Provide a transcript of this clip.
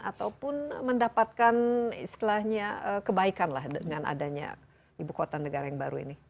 ataupun mendapatkan istilahnya kebaikan lah dengan adanya ibu kota negara yang baru ini